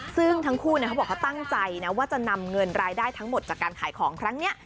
ซึ่งทั้งคู่เขาบอกเขาตั้งใจนะว่าจะนำเงินรายได้ทั้งหมดจากการขายของครั้งนี้